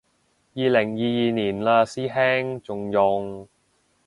二零二二年嘞師兄，仲用